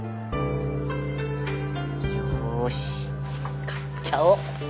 よし買っちゃおう。